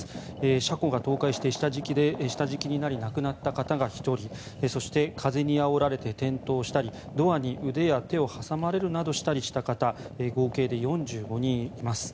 車庫が倒壊して下敷きになり亡くなった方が１人そして風にあおられて転倒したりドアに腕や手を挟まれるなどした方合計で４５人います。